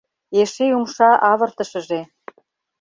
Эше умша авыртышыже…